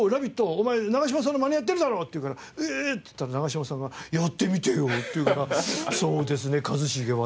お前長嶋さんのマネやってるだろ！って言うからええっって言ったら長嶋さんがやってみてよって言うからそうですね一茂はですね